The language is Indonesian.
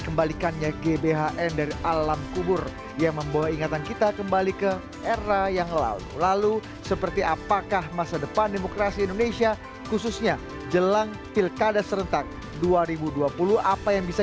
kami adalah presiden dan wakil presiden seluruh rakyat indonesia